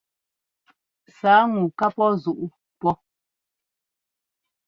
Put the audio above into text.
Sǎa ŋu ŋkaa pɔ́ zuʼu pɔ́.